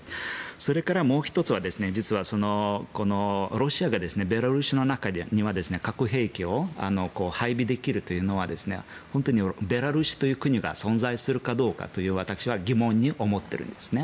それから、もう１つは実はロシアがベラルーシの中に核兵器を配備できるというのは本当にベラルーシという国が存在するかどうかという私は疑問に思っているんですね。